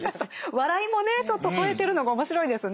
笑いもねちょっと添えてるのが面白いですね。